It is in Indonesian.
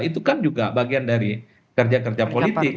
itu kan juga bagian dari kerja kerja politik